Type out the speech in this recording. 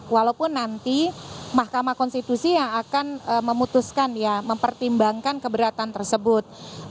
walaupun nanti mahkamah konstitusi yang akan memutuskan ya mempertimbangkan keberatan tersebut